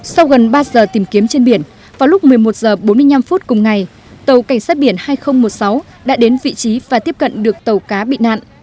sau gần ba giờ tìm kiếm trên biển vào lúc một mươi một h bốn mươi năm cùng ngày tàu cảnh sát biển hai nghìn một mươi sáu đã đến vị trí và tiếp cận được tàu cá bị nạn